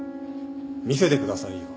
見せてくださいよ。